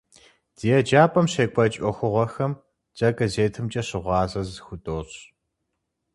Ди еджапӏэм щекӏуэкӏ ӏуэхугъуэхэм дэ газетымкӏэ щыгъуазэ зыхудощӏ.